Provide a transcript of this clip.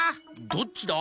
「どっちだ？」